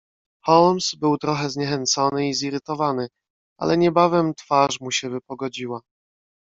"Holmes był trochę zniechęcony i zirytowany, ale niebawem twarz mu się wypogodziła."